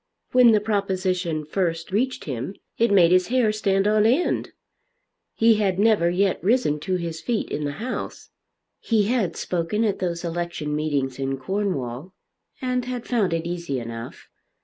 When the proposition first reached him it made his hair stand on end. He had never yet risen to his feet in the House. He had spoken at those election meetings in Cornwall, and had found it easy enough.